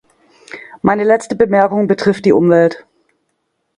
Meine letzte Bemerkung betrifft die Umwelt.